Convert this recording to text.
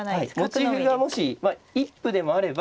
持ち歩がもし一歩でもあれば。